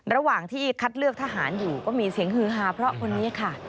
ระหว่างที่คัดเลือกทหารอยู่ก็มีเสียงฮือฮาเพราะคนนี้ค่ะ